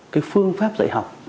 cái phương pháp dạy học